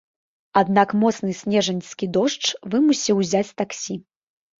Аднак моцны снежаньскі дождж вымусіў узяць таксі.